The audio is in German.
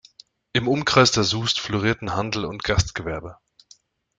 Im Umkreis der Sust florierten Handel und Gastgewerbe.